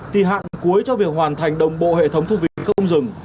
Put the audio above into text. thì hạn cuối cho việc hoàn thành đồng bộ hệ thống thu phí không dừng